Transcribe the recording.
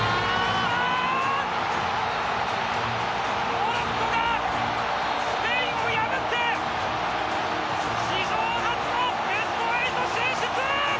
モロッコがスペインを破って史上初のベスト８進出！